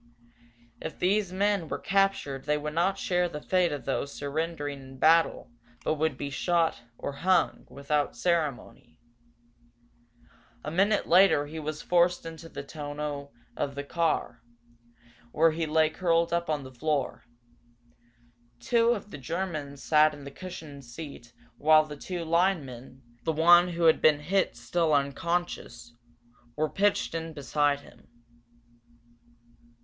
If these men were captured they would not share the fate of those surrendering in battle but would be shot, or hung, without ceremony. A minute later he was forced into the tonneau of the car, where he lay curled up on the floor. Two of the Germans sat in the cushioned seat while the two linemen, the one who had been hit still unconscious, were pitched in beside him.